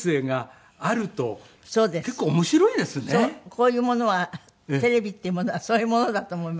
こういうものはテレビっていうものはそういうものだと思いますね。